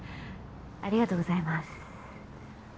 ありがとうございます。